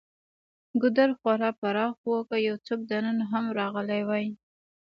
ګودر خورا پراخ و، که یو څوک دننه هم راغلی وای.